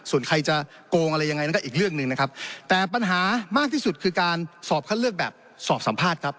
ส่วนใครจะโกงอะไรยังไงนั่นก็อีกเรื่องหนึ่งนะครับแต่ปัญหามากที่สุดคือการสอบคัดเลือกแบบสอบสัมภาษณ์ครับ